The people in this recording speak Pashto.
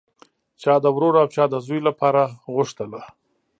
چا د ورور او چا د زوی لپاره غوښتله